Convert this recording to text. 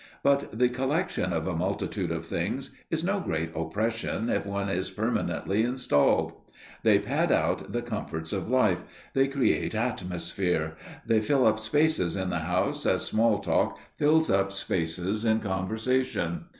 But the collection of a multitude of things is no great oppression if one is permanently installed; they pad out the comforts of life, they create "atmosphere"; they fill up spaces in the house as small talk fills up spaces in conversation.